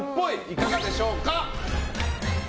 いかがでしょうか？